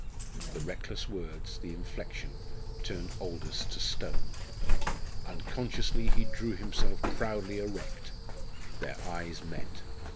The reckless words, the inflection, turned Aldous to stone. Unconsciously he drew himself proudly erect their eyes met.